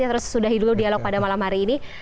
kita harus sudahi dulu dialog pada malam hari ini